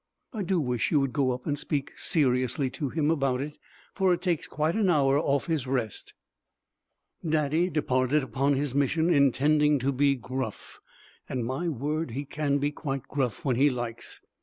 I do wish you would go up and speak seriously to him about it, for it takes quite an hour off his rest." Daddy departed upon his mission intending to be gruff, and my word, he can be quite gruff when he likes!